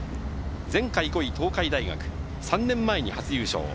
前回５位東海大学、３年前に初優勝。